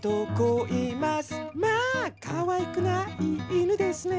「まあかわいくない犬ですね